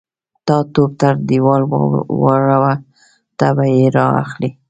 _تا توپ تر دېوال واړاوه، ته به يې را اخلې.